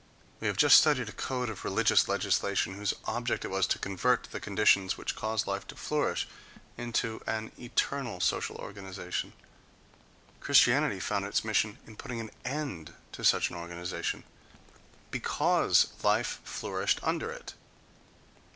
We have just studied a code of religious legislation whose object it was to convert the conditions which cause life to flourish into an "eternal" social organization,—Christianity found its mission in putting an end to such an organization, because life flourished under it.